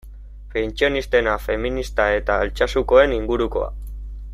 Pentsionistena, feminista eta Altsasukoen ingurukoa.